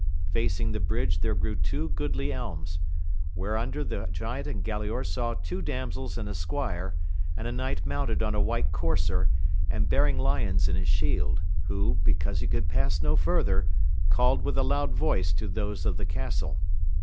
Facing the Imdge there grew two joo^ij ^Xxi^a, ^wVkst^xaA^t tSa^A AMADIS OF GAVL. 67 giant and Galaor saw two damsels and a squire, and a knight mounted on a white courser, and bearing lions in his shield, who, because he could pass no further, called with a loud voice to those of the castle.